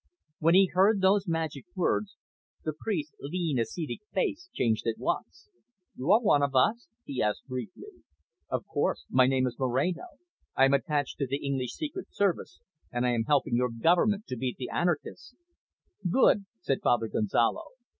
When he heard those magic words, the priest's lean, ascetic face changed at once. "You are one of us?" he asked briefly. "Of course. My name is Moreno. I am attached to the English Secret Service, and I am helping your Government to beat the anarchists." "Good," said Father Gonzalo.